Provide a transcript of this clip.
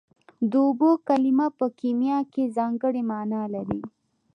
د اوبو کلمه په کیمیا کې ځانګړې مانا لري